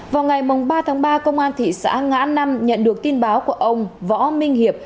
vào ngày ba tháng ba công an thị xã ngã năm nhận được tin báo của ông võ minh hiệp